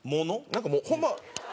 なんかもうホンマ